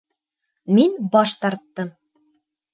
Мин баш тарттым.